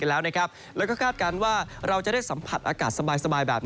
แล้วก็คาดการณ์ว่าเราจะได้สัมผัสอากาศสบายแบบนี้